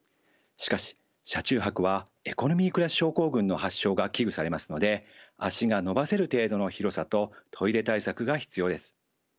しかし車中泊はエコノミークラス症候群の発症が危惧されますので足が伸ばせる程度の広さとトイレ対策が必要です。